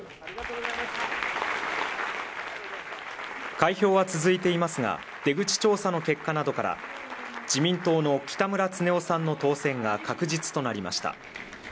開票は続いていますが出口調査の結果などから自民党の北村経夫さんの当選が確実となりました。